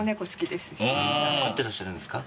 飼ってらっしゃるんですか？